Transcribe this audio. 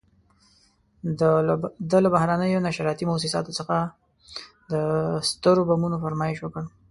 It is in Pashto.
ده له بهرنیو نشراتي موسساتو څخه د سترو بمونو فرمایش وکړ.